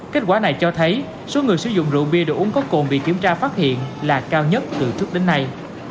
kết quả này cho thấy số người sử dụng rượu bia đồ uống có cồn bị kiểm tra phát hiện là cao nhất từ trước đến nay